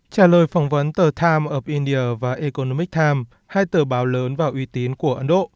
trả lời phỏng vấn tờ time of india và economic time hai tờ báo lớn và uy tín của ấn độ